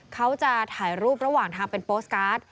เขาจะถ่ายรูประหว่างทางเป็นโปสตการ์ด